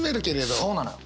そうなのよ。